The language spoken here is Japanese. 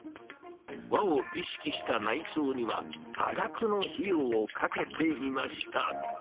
和を意識した内装には多額の費用をかけていました。